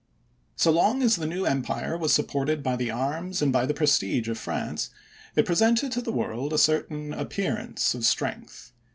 So long as the new empire was supported by the arms and by the prestige of France it presented to the world a certain appearance of strength.